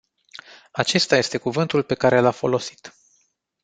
Acesta este cuvântul pe care l-a folosit.